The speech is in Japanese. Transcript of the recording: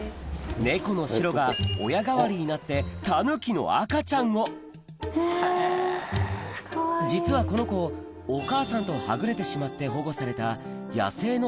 猫のしろが親代わりになってタヌキの赤ちゃんを実はこの子お母さんとはぐれてしまって保護された野生の